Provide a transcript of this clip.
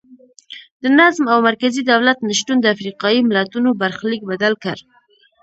د نظم او مرکزي دولت نشتون د افریقایي ملتونو برخلیک بدل کړ.